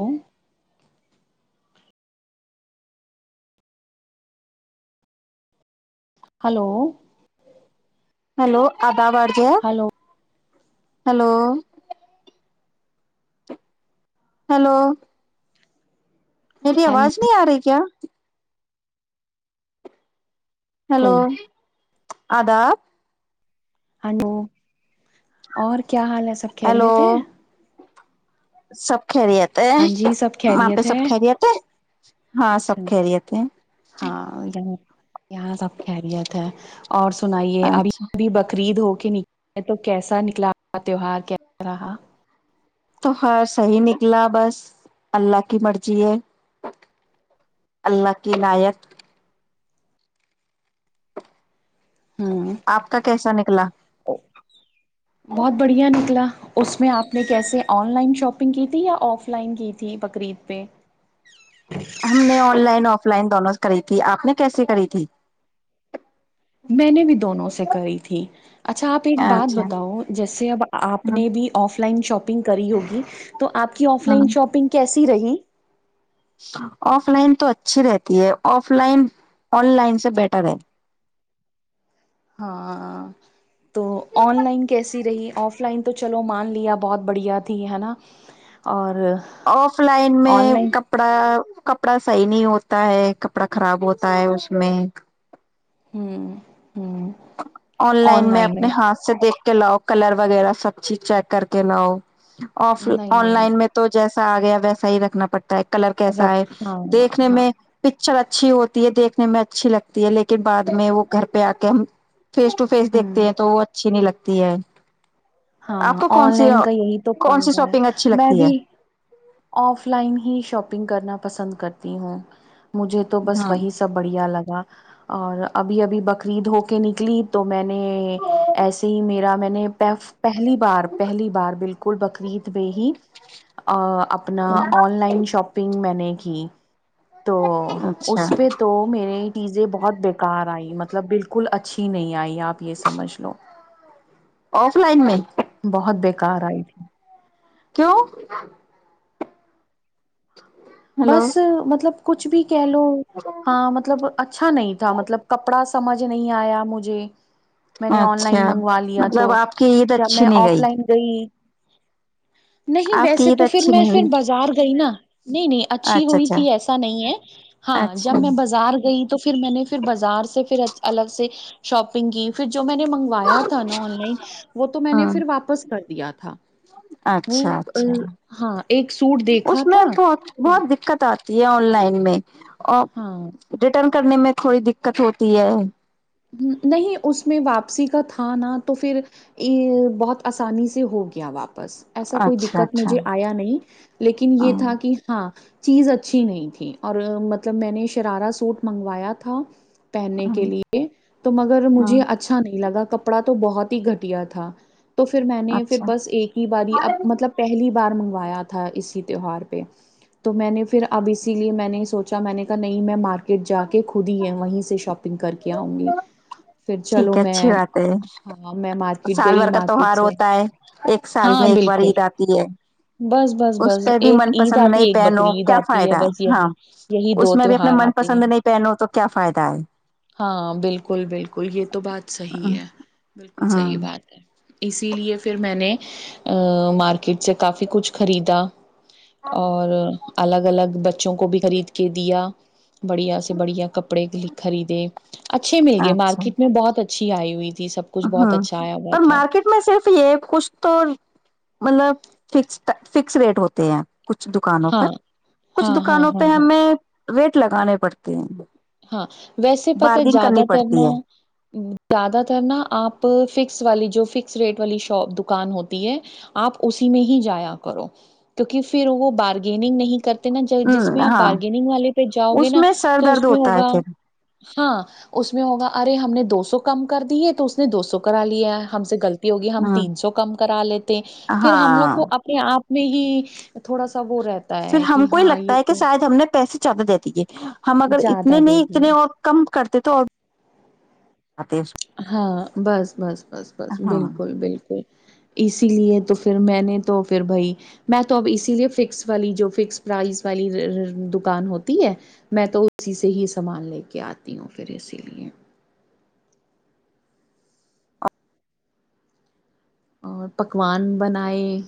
ہو hello hello آپ بار جو ہیں ہلو ہلو ہیلو میری ہاں آواز نہیں آ رہی کیا ہلو وعلیکم آداب ہڈو اور کیا کیا حال ہے سب ہیلو خیریت ہیں سب [inaudible] کرییت سب ماں پہ خیریت سب ہے کرییےت ہے ہاں سب اچھا کری تھ ہیں ہاں یہاں یہاں سب خیریت ہے اور سنائیے ابھی اچھا ابھی بقرعید ہو ن تو کیسا نکلاا تیوار کیسا رہا تو ہر صحیح نکلا بس اللہ کی مرضی ہے اللہ کی عناایت ہوں آپ کا کیسا نکلا بہت بڑھیا نکلا اس میں آپ نے کیسے آن لائن شاپنگ کی تھی یا آف لائن کی تھی بقرید پہ ہم نے آن لائن آف لائن دونوں کری تھی آپ نے کیسے کری تھی میں نے بھی دونوں سے کری تھی اچھا آپ ایک بات اچھا بتاؤ جیسے اب آپ ہ نے بھی آف لائن شاپنگ کری ہوگی تو آپ کی آف لائن ہ شاپنگ کیسی رہی آف لائن تو اچھی رہتی ہے آف لائن آن لائن سے بیٹر ہے ہاں تو آن لائن کیسی رہی آف لائن تو چلو مان لیا بہت بڑھیا تھی ہے نا اور آف لائن آن میں لائن کپڑا کپڑا صحیح نہیں ہوتا ہے کپڑا خراب ہوتا ہے اس میں ہوں ہوں آن لائن میں اپنے ہاتھ سے دیکھ کے لاؤ کلر وغیرہ سب چیز چیک کر کے لاؤ آف نہیں آن لائن میں نہیں تو جیسے آ گیا ویسا ہی رکھنا پڑتا ہے کلر کیسا رکھ ہے ہاں دیکھنے ہاں میں پکچر اچھا اچھی ہوتی ہے دیکھنے میں اچھی لگتی ہے لیکن بعد میں وہ گھر پہ آ کے ہم فیس ٹ فیس دیکتے ہوں ہیں تو وہ اچھی نہیں لگتی تی ہے ہاں آپ کو کون آن سی لائن کا یہی تو کون سی پنتا ہے شاپنگ اچھی میں لگتی ہے بھی آف لائن ہی شاپنگ کرنا پسند کرتی ہوں مجھے تو بس ہاں وہی سب بڑھیا لگا اور ابھی ابھی بقرید ہو کے نکلی تو میں نے ایسے ہی میرا میں نے پف پہلی بار پہلی بار بالکل کول بکویت بے ہی ا اپنا آن لائن شاپنگ میں نے کی تو اچھا اس پہ تو میرے چیزیں بہت بکار آئی مطلب بالکل اچھی نہیں آئی آپ یہ سمجھ لو آف لائن میں کار آئی تھی کیوں ہلو بس مطلب کچھ بھی کہ لو ہاں مطلب اچھا نہیں تھا مطلب کپڑا سمجھ نہیں آیا مجھے میں نے آن اچھا لائن منگوا لیا مطلب تو آپ کی عید جب اچھی میں نہیں آف لائن گئی نہیں آپ کی ویسے عید تو پھر اچھی میں نہیں پھر ہوئی بازار گئی نا نہیں نہیں اچھی اچھا ہوئی اچھا تھی ایسا نہیں ہے ہاں جب اچھا میں بازار گئی تو پھر میں نے پھر بازار سےھر الگ سے شاپنگ کی پھر جو میں نے منگوایا تھا نا آن لائن وہ تو میں نے ہاں پھر واپس کر دیا تھا وہ اچھا اچھا ہاں ایک سوٹ دیکھا اس تھا میں بہت بہت دقت آتی ہے آن لائن میں ا ہاں رٹرن کرنے میں تھوڑی دقت ہوتی ہے نہیں اس میں واپسی کا تھا نہا تو پھر ا بہت آسانی سے ہو گیا واپسی بس ایسا کوئی اچھا دقت اچھا مجھے آیا نہیں لیکن یہ ہاں تھا کہ ہاں چیز اچھی نہیں تھی اور مطلب میں نے شرارہ سوٹ منگوایا تھا پہننے ہاں کے لیے تو مگر ہاں مجھے اچھا نہیں لگا کپڑا تو بہت ہی گھٹیا تھا تو پھر میں نے پھر اچھا بس ایک ہی بار اب مطلب پہلی بار منگ ایا تھا اسی تیوار پہ تو میں نے پھر اب اسی لیے میں نہیں سوچا چا میں نے کہا نہیں میں مارکیٹ ج کے خود ہی ہے وہیں سے شاپنگ کر کے کیا آؤں گی پھر چلو ٹھیک ہے میں اچھی بات ہے ہاں میں مارکیٹ سال گئی بھر کا مارکیٹ تہوار سے ہوتا ہے ایک سال ہاں میں ایک بار بالکل عید آتی ہے بس بس اس بس پہ بھی ایک من عید پسند آتی ہے نہیں ایک پہنو بکری عید کیا آتی فائدہ بس ہے یہی ہاں یہی اس دو میں بھی اپنا تیوہار من آتے ہیں پسند نہیں پہنو تو کیا فائدہ ہے ہاں بالکل بالکل یہ تو بات صحی ہے بالکل بالکل ہاں صحیح بات ہے اسی لیے پھر میں نے مارکی کٹ سے کافی کچھ خریدا اور الگ الگ بچوں کو بھی خرید کے دیا بڑیا ا سے بڑیا کپڑے خرید اچھے مل گئے اچھا مارکیٹ میں بہت پچھی آئی ہوئی تھی سب کچھ بہت ہاں اچھا آیا ہوا پر تھا مارکیٹ میں صرف یہ کچھ تو مطلب فکس فکس ریٹ ہوتے ہیں کچھ دکانوں پر ہاں کچھ ہاں, ہاں, دکانوں پہ ہاں, ہاں, ہمیں ویٹ لگانے پڑتے ہیں ہاں ویسے پت بارگنگ کرنی زیادہ پڑتی ترنا ہے زیادہ ترنا آپ فکس والی جو فکس ریٹ والی شاپ دکان ہوتی ہے آپ اسی میں ہی جایا کرو کیونکہ پھر وہ بارگیننگ نہیں کرتے نا ج جس ہ میں آپ ہاں بارگنگ والے پہ جاؤ گے اس نا میں سر تو درد اس ہوتا ہے ہوگا پھر ہاں اس میں ہوگا ارے ہم نے دو س کم کر دی ہے تو اس نے دو سو کرا لیا ہم سےغلط [unintelligible] ہوگی ہم ہ تین سو کم کرا لیتے ہیں پھر ہم لوگ کو ہاں اپنے آپ [unintelligible] نہیں تھوڑا سا وہ رہا [unintelligible] پھر ہم کو ہی لگتا ہے کہ شاید ہم نے پیسے [unintelligible] چل دے سے [unintelligible] ہم اگر زیادہ اتنے دے نہیں دیے اتنے اور کم کرتے تو اور [unintelligible] آتے ہاں بس بس بس بس ہاں بالکل بالکل [unintelligible] اسی لیے تو پھر میں نے تو پھر بھائی میں تو اب اسی لیے فکس والی جو فکس پرائز والی دکان ہوتی ہے میں تو اسی سے ہی سامان لے کے آتی ہوں پھر اسی لیے [unintelligible] اور پکوان بنائے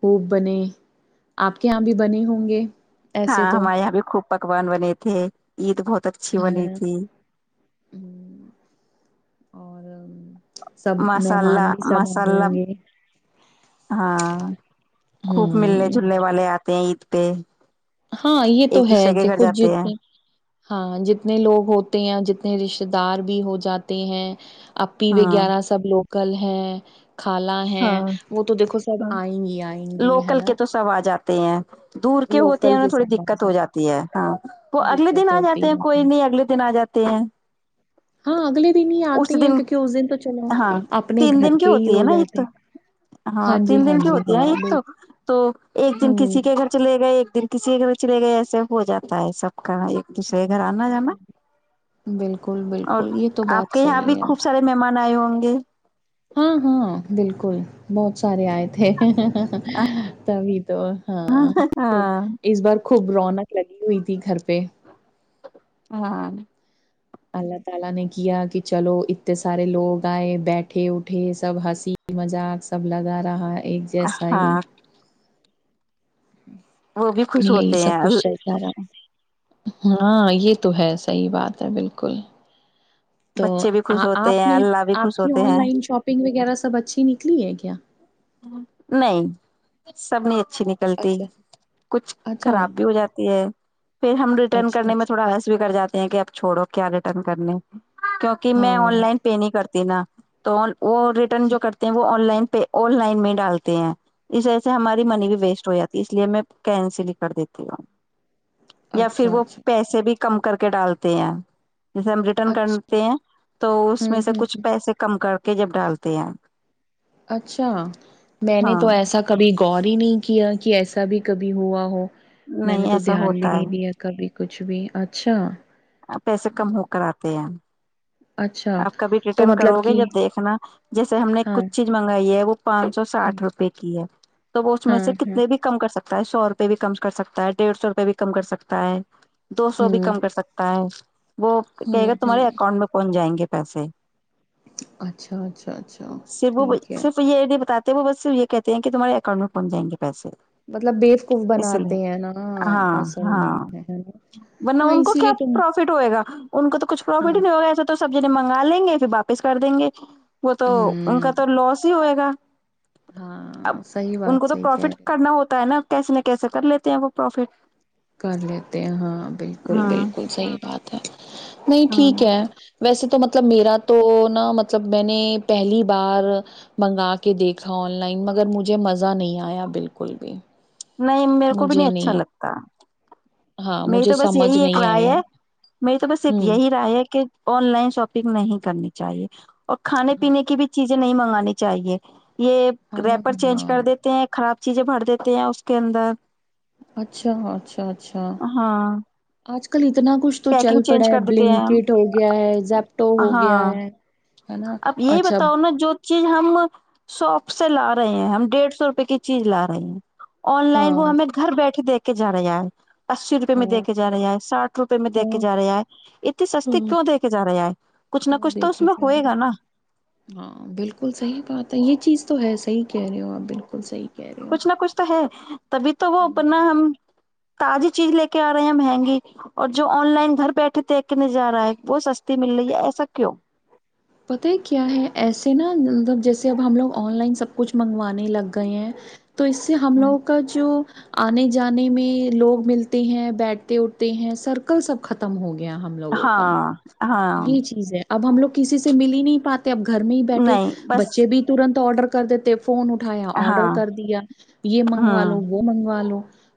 خوب بنے آپ کے یہاں بھی بنے ہوں گے [unintelligible] ہاں تو ہمارے یہاں بھی خوب [unintelligible] پکوان بنے تھے [unintelligible] عید بہت اچھی ہاں بنی تھی ہوں، اور [unintelligible] سب مساللہ مہمان بھی سب مسہ آئے ہوں گے ہاں خوب ملنے ہوں جلنے والے آتے [unintelligible] اید پہ [unintelligible] ہاں یہ تو ایک ہے دوسرے کے گھر دیکھو جاتے ہیں جتنے ہاں جتنے لوگ ہوتے یا جتنے رشت [unintelligible] دار بھی ہو جاتے ہیں [unintelligible] اپپی ہاں وغیرہ سب لوگ [unintelligible] کل ہے [unintelligible] خالہ ہے ہاں وہ تو دیکھو سب ہاں آئیں گی آئیں گی ہے لوکل نا کے تو [unintelligible] سب آ جاتے ہیں دور کے ہوتے ہیں لوکل انہیں تھوڑی سب بن دقت ہو سک جاتی ہے ہاں وہ اگلے دن دقت آ ہوتی جاتے ہیں ہے کوئی نہیں اگلے دن آ جاتے ہیں ہاں اگلے دن ہی اس آتے ہیں دن کیونکہ اس دن تو چلو ہاں اپنے تین گھر دن کی کے ہی ہوتی ہے ہو نا [unintelligible] جاتے ہیں ہاں جی تین دن کی جی ہوتی ہے ہاں ایک تو تو ایک دن بالکل کسی کے گھر چلے گئے ایک [unintelligible] پھر کسی کے چلے گئے ایسے ہو جاتا ہے سب [unintelligible] ایک دوسرے کے گھر آنا جانا ہ بالکل اور بالکل یہ تو آپ بات کے یہاں بھی صحیح ہے خوب سارے مہمان آئے ہو ہ گ [unintelligible] ہاں ہاں بالکل بہت سارے آئے تھے [unintelligible] تبھی تو ہاں ہاں اس بار خوب رونق لگی ہوئی تھی گھر پہ [inaudible] ہاں [inaudible] [inaudible] ایک جیسا ہی ہاں [inaudible] وہ بھی خوش یہی ہوتے ہیں سب کچھ چلتا [inaudible] ہاں یہ تو ہے صحی بات ہے بالکل [inaudible] تو بچے بھی خوش ہوتے آپ ہیں نے اللہ بھی آپ خوش کی ہوتے آن ہیں لائن شاپنگ وغیرہ [inaudible] سب اچھی نکلی ہے کیا نہیں سب نے اچھی نکلتی اچھا کچھ اچھا خراب بھی ہو جاتی ہے پھر ہم ریٹرن اچھا کرنے میں اچھا تھوڑا رس بھی کراتے ہیں کہ اب چھوڑو کیا ریٹرن کرنے کیونکہ میں آن ہاں لائن پے نہیں کرتا نا تو وہ ریٹرن اچھا جو کرتے ہیں وہ آن لائن پہ آن لائن میں ڈالتے ہیں اس ہماری منی اچھا بھی ویسٹ ہو جاتی اس لیے میں کینسل ہی کر دیتی ہوں یا پھر اچھا وہ اچھا پیسے بھی کم کر کے ڈالتے ہیں جیسے ہم ریٹرن اچھا کرتے ہیں تو اس ہ میں سے ہ ہ کچھ پیسے کم کر کے جب ڈالتے ہیں ہم اچھا میں نے تو ایسا کبھی غور ہی نہیں کیا کہ ایسا بھی کبھی ہوا ہو میں نے نہیں تو ایسا دھیان بھی ہوتا نہیں ہے دیا کبھی کچھ بھی اچھا پیسے کم ہو کر آتے ہیں ہم اچھا آپ کبھی تو ریٹرن مطلب کرو گے کہ جب دیکھنا جیسے ہم نے ہاں کچھ چیز منگائی ہے وہ پانچ سو ہوں، ساٹھ روپئے کی ہے تو وہ اس میں ہاں سے ہاں کتنے بھی کم کر سکتے سکتا سو روپئے بھی کم کر سکتا ہے ڈیڑھ سو روپئے بھی کم کر سکتا ہے دو سو بھی ہوں کم کر سکتا ہے وہ کہے ہوں گا ہوں تمہارے اکانٹ میں پہنچائیں گے کے پیسے اچھا اچھا اچھا ٹھیک ہے تو وہ بس یہ کہتے ہیں کہ تمہے اکاؤٹ میں پن جائ گے پسے مطلب بیوقوف اس لیے بناتے ہیں نا ہاں اصل میں ہاں ورنہ ہاں ان کو اسی کیا لیے تو پروفٹ ہوئے گا ان کو تو کچھ ہاں پروفٹ ہی ہوں نہیں ہوگا ایسا تو سب جنے منگا لیں گے پھر واپس کر دیں گے وہ تو ان کا تو لوس ہی ہوئے گا اب ہاں صحیح ان کو بات تو صحیح کہہ پروفٹ رہے ہیں، کرنا ہوتا ہے نا کیسے نہ کیسے کر لیتے ہیں وہ پروفٹ کر لیتے ہیں ہاں بالکل ہاں بالکل صحی بات ہے نہیں ہاں ٹھیک ہے ویسے تو تو مطلب میرا تو نا مطلب میں نے پہلی بار منگا کے دیکھا آن لائن مگر مجھے مزہ نہیں آیا بالکل بھی نہیں میرے کو بھی نہیں اچھا لگتا ہاں میری مجھے تو بس سمجھ یہی ایک نہیں آیا رائے ہے میری تو بس ایک ہوں یہی رائے ہے کہ آن لائن شاپنگ نہیں کرنی چاہیے اور کھانے ہاں پینے کی بھی چیز نہیں منگانی چاہیے یہ ہے نا ریپر چینج ہاں کر دیتے ہیں خراب چیزیں بھر دیتے ہیں اس کے اندر اچھا اچھا اچھا اچھا ہاں آج ک کلی اتنا کچھ تو چل پیکنگ پڑا چینج ہے کر دیتے ہیں ہم۔ بلنکٹ ہو گیا ہے زیپٹو ہو گیا ہاں ہے نا اب یہی اچھا بتاؤ نا جو چیز ہم سوپ سے لا رہے ہیں ہم ڈیڑھ سو روپے کی چیز لا رہے ہیں آن لائن وہ ہاں ہمیں گھر بیٹھے دیکھے کے ج رہے ہیں اسی روپے ہاں میںی دے ہاں کےجا رہا ہے ساٹھ روپے میں دیکھے جا رہا ہے اتنی سستی ہاں کیوں دیکھے جا رہا ہے کچھ نہ وہ کچھ تو اس دیکھی میں جا رہے ہوئے گا نا صح کہہ رہے ہو آپ بالکل صحیح کہہ رہے ہو کچھ نہ کچھ تو ہے تبھی تو وہ ا اپنا ہم تازی چیز لے کے آ رہے ہیں مہنگی اور جو آن لائن گھر بیٹھے دیک کے نظر آ رہا ہے وہ سستی مل رہی ہے ایسا کیوں پتہ کیا ہے ایسے نا مطلب جیسے اب ہم لوگ آن لائن سب کچھ منگوانے لگ گئے ہیں تو اس سے ہم لوگوں کا جو آنے جانے میں لوگ ملتے ہیں بیٹھتے اٹھتے ہیں سرکل سب ختم ہو گ گیا ہم لوگوں کا ہاں ہاں یہ چیز ہے اب ہم لوگ کسی سے مل ہی نہیں پاتے اب گھر میں ہی بیٹھے نہیں بس بچے بھی ترنت آرڈر کر کر دیتے فون اٹھایا آڈر ہاں کر دیا یہ منگوا ہاں لو وہ منگوا لو ہ [inaudible]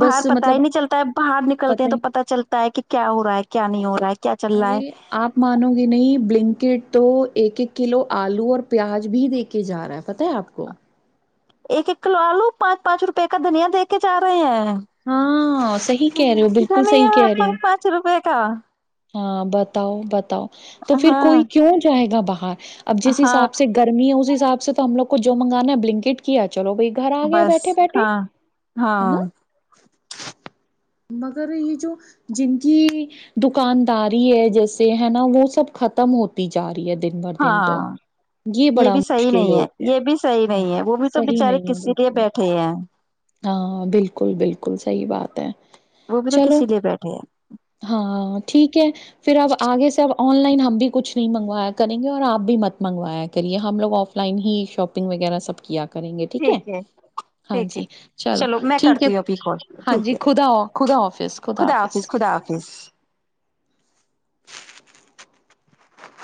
باہر پتا ہی نہیں چلتا ہے باہر نکلتے پتہ ہیں تو ہی پتا چلتا ہے کہ کیا ہو رہا ہے کیا نہیں ہو رہا ہے کیا چل رہا ارے ہے آپ مانو گے نہیں بلنک تو ایک ایک کلو آلو اور پیاز بھی دے کے جا رہا ہے پت ہے آپ کو ایک ایک کلو آلو پانچ پانچ روپئے کا دنیا دے کے جا رہے ہیں ہاں صحیح کہہ رہے ہو بالکل صحیح دنیا کہہ رہی ہو پانچ روپئے کا ہاں بتاؤ بتاؤ تو پھر کوئی ہاں کیوں جائے گا باہ اب جس ہاں حساب سے گرمی ہے اس ح اب سے تو ہم لوگ کو جو مگانا ہے بلنکٹ کیا چلو بائی گھر آ گیا بس بیٹھے بیٹھے ہاں ہاں ہے نا مگر یہ جو جن کی د دکانداری ہے جیسے ہے نا وہ سب ختم ہوتی جا رہی ہے دن بھر دن تو ہاں یہ بڑا بھی صحی مشکل نہیں ہو ہے گیا یہ بھی صحی ہاں نہیں ہے وہ بھی تو صحیح بچارے نہیں ہے کسی کےے بالکل بیٹھے ہیں ہاں بالکل بالکل صحیح بات ہے وہ بھی تو چلو کسی لیے بیٹھے ہیں ہاں ہے پھر اب آگے سے اب آن لائن ہم بھی کچھ نہیں منگوایا کریں گے اور آپ بھی مت منگوایا کریے ہم لوگ آف لائن ہی شاپنگ وغیرہ سب کیا کریں گے ٹھیک ہے ہاں ٹھیک ہے جی چلو میں ٹھیک ہے کرتی ہوں ابھی کال ہاں ٹھیک جی ہے خدا خدا آفس خدا آفس حافظ خدا حافظ